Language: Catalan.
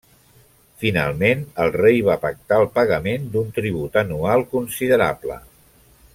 Finalment el rei va pactar el pagament d'un tribut anual considerable.